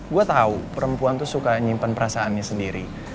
gue tau perempuan tuh suka nyimpen perasaannya sendiri